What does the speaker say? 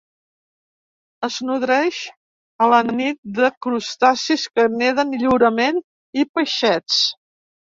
Es nodreix a la nit de crustacis que neden lliurement i peixets.